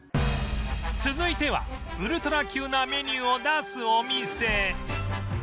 続いてはウルトラ級なメニューを出すお店